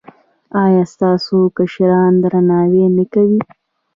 ایا ستاسو کشران درناوی نه کوي؟